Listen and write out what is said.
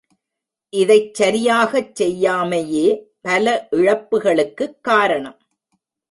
இதைச் சரியாகச் செய்யாமையே பல இழப்புகளுக்குக் காரணம்.